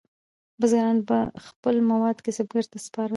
بزګرانو به خپل مواد کسبګرو ته سپارل.